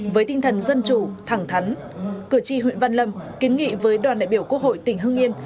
với tinh thần dân chủ thẳng thắn cử tri huyện văn lâm kiến nghị với đoàn đại biểu quốc hội tỉnh hưng yên